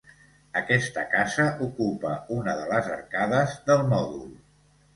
Aquesta casa ocupa una de les arcades del mòdul.